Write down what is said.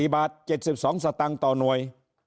๔บาท๗๒สตางค์ต่อหน่วย